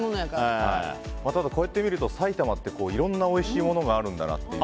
ただ、こうやって見ると埼玉っていろんなおいしいものがあるんだなって。